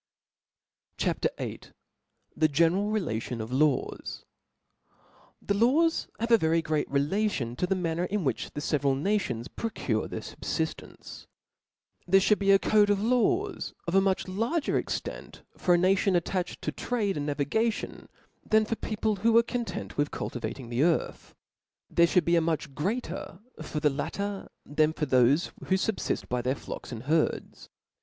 CHAP. VIII. . The general Relation of Laws. TP H E laws have a very great relation to the ■*• manner, in which the feveral nations procure their fubfiftence. There fhould be a code of laws of a much larger extent, for a nation attached to trade and navigation, than for people who arc content with cultivating the earth. There fhould be a much greater for the latter, than for thofe who fubfift by their flocks and herds.